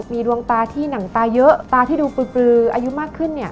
มีดวงตาที่หนังตาเยอะตาที่ดูปลืออายุมากขึ้นเนี่ย